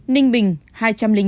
ninh bình hai trăm linh chín